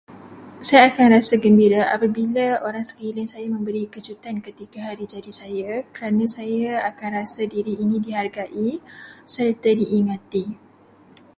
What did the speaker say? Saya akan rasa gembira apabila orang sekeliling saya memberi kejutan ketika hari jadi saya kerana saya akan rasa diri ini dihargai serta diingati.